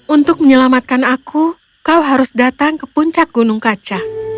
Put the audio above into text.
untuk menyelamatkan aku kau harus datang ke puncak gunung kaca